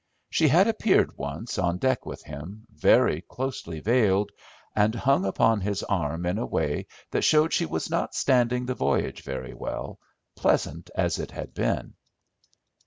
She had appeared once on deck with him, very closely veiled, and hung upon his arm in a way that showed she was not standing the voyage very well, pleasant as it had been.